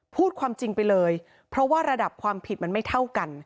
พูดความจริงไปเลยเพราะว่าระดับความผิดมันไม่เท่ากัน